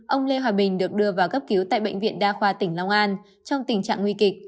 ông lê hòa bình được đưa vào cấp cứu tại bệnh viện đa khoa tỉnh long an trong tình trạng nguy kịch